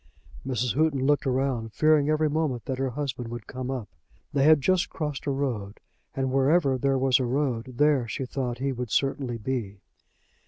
Mrs. Houghton looked round, fearing every moment that her husband would come up. They had just crossed a road, and wherever there was a road there, she thought, he would certainly be.